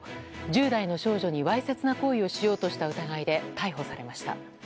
１０代の少女にわいせつな行為をしようとした疑いで逮捕されました。